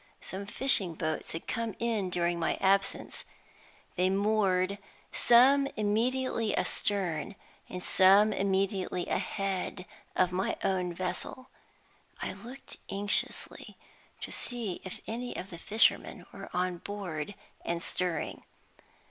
Some fishing boats had come in during my absence. They moored, some immediately astern and some immediately ahead of my own vessel. I looked anxiously to see if any of the fishermen were on board and stirring.